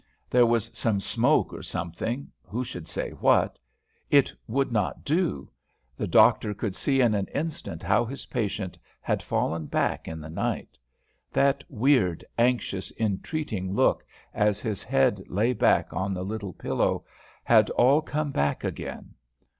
There was some smoke or something, who should say what? it would not do. The doctor could see in an instant how his patient had fallen back in the night. That weird, anxious, entreating look, as his head lay back on the little pillow, had all come back again.